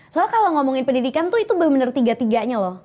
soalnya kalau ngomongin pendidikan tuh itu bener bener tiga tiganya loh